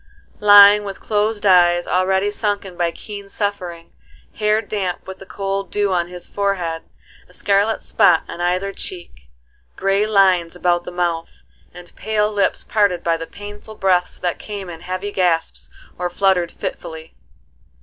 Lying with closed eyes already sunken by keen suffering, hair damp with the cold dew on his forehead, a scarlet spot on either cheek, gray lines about the mouth, and pale lips parted by the painful breaths that came in heavy gasps or fluttered fitfully.